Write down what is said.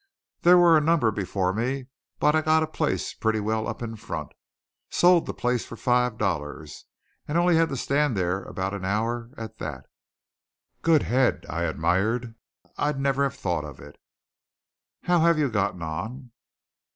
There were a number before me, but I got a place pretty well up in front. Sold the place for five dollars, and only had to stand there about an hour at that." "Good head!" I admired. "I'd never have thought of it. How have you gotten on?"